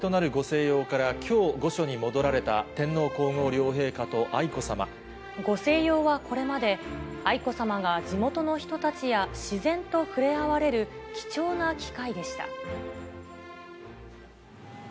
およそ４年ぶりとなるご静養からきょう、御所に戻られた天皇皇后両陛下と愛子さま。ご静養はこれまで、愛子さまが地元の人たちや自然と触れ合われる貴重な機会でした。